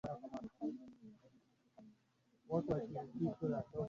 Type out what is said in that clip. ya ubora wa hewa mitandaoni inayoongozwa na raia